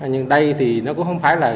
nhưng đây thì nó cũng không phải là